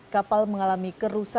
kapal mengalami kerusakan